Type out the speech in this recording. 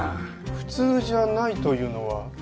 普通じゃないというのは？